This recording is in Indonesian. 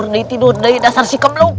padim tidur di dasar si kemblok